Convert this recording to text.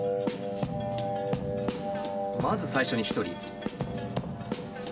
まず最初に１人。